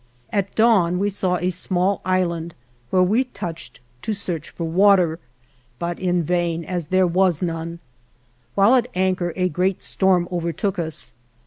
At dawn we saw a small island, where we touched to search for water, but in vain, as there was none. While at anchor a great storm overtook us.